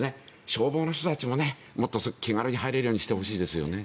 消防の人たちももっと気軽に入れるようにしてほしいですよね。